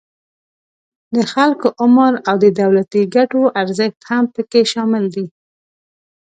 د خلکو عمر او د دولتی ګټو ارزښت هم پکې شامل دي